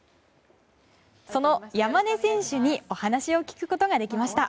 その山根選手にお話を聞くことができました。